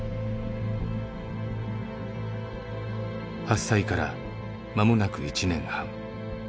発災からまもなく１年半。